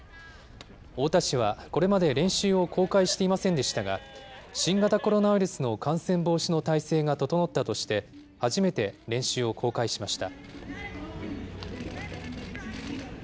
太田市はこれまで練習を公開していませんでしたが、新型コロナウイルスの感染防止の態勢が整ったとして、初めて練習を公開しました。